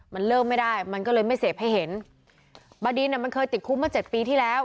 มันเริ่มไม่ได้มันก็เลยไม่เสพให้เห็นบดินอ่ะมันเคยติดคุกมาเจ็ดปีที่แล้ว